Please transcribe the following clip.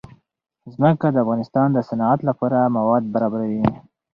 ځمکه د افغانستان د صنعت لپاره مواد برابروي.